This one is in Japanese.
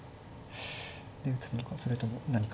で打つのかそれとも何か。